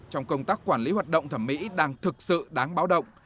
trong công tác quản lý hoạt động thẩm mỹ đang thực sự đáng báo động